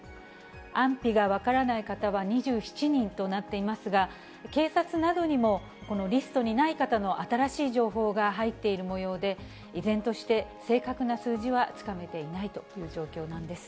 安否が分からない方は２７人となっていますが、警察などにも、このリストにない方の新しい情報が入っているもようで、依然として、正確な数字はつかめていないという状況なんです。